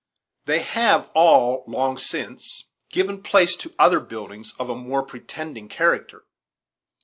They have all, long since, given place to other buildings of a more pretending character.